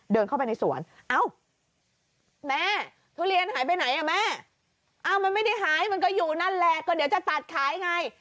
เดินเข้าไปในสวนเอ้าแม่ทุเรียนหายไปไหนอ่ะแม่มันไม่ได้หายมันก็อยู่นั่นแหละก็เดี๋ยวจะตัดขายไง